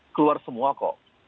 keluar semua kok